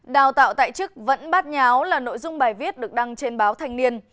đào tạo tại chức vẫn bát nháo là nội dung bài viết được đăng trên báo thanh niên